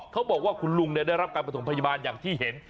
เขาบอกว่าคุณลุงได้รับการประถมพยาบาลอย่างที่เห็น